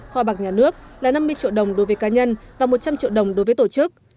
kho bạc nhà nước là năm mươi triệu đồng đối với cá nhân và một trăm linh triệu đồng đối với tổ chức